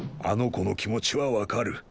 あの子の気持ちは分かる。